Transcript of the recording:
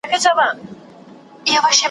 زړۀ په وړو خبرو خورم مــــــات یم